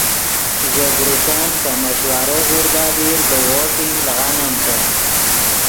ژے گروپن پے مشورو غوردا دیر دے ووٹنگ لیغانمتے